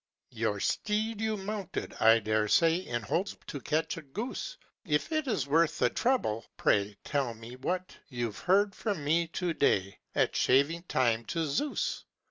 "Your steed you mounted, I dare say, In hopes to catch a goose; If it is worth the trouble, pray Tell what you've heard from me to day, At shaving time, to Zeus.